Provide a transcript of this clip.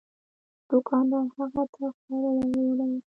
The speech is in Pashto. دوکاندار هغه ته خواړه ور وړل.